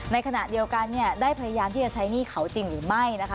ในขณะเดียวกันเนี่ยได้พยายามที่จะใช้หนี้เขาจริงหรือไม่นะคะ